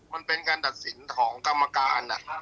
มันเป็นการตัดสินของกรรมการ